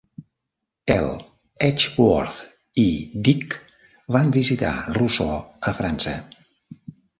Ell, Edgeworth i Dick van visitar Rousseau a França.